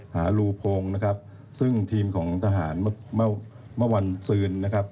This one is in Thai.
หารูโพงนะครับซึ่งทีมของทหารเมื่อเมื่อวันซืนนะครับ